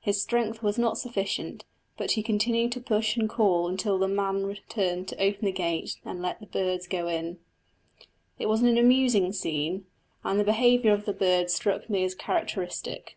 His strength was not sufficient; but he continued to push and to call until the man returned to open the gate and let the birds go in. It was an amusing scene, and the behaviour of the bird struck me as characteristic.